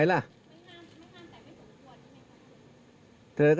ไม่ห้ามไม่ห้ามแต่ไม่สมควร